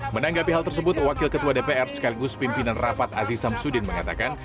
menanggapi hal tersebut wakil ketua dpr sekaligus pimpinan rapat aziz samsudin mengatakan